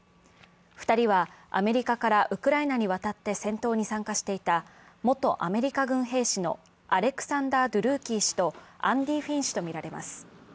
２人はアメリカからウクライナに渡って戦闘に参加していた元アメリカ軍兵士のアレクサンダー・ドゥルーキー氏とアンディ・フィン氏とみられます。